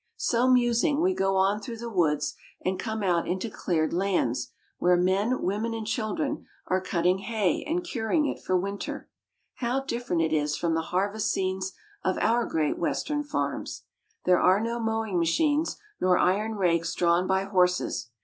So musing, we go on through the woods and come out into cleared lands, where men, women, and children are Haymakers. cutting hay and curing it for winter. How different it is from the harvest scenes of our great western farms ! There are no mowing machines, nor iron rakes drawn by horses.